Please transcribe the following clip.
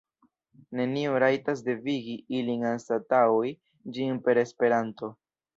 Neniu rajtas devigi ilin anstataŭi ĝin per Esperanto!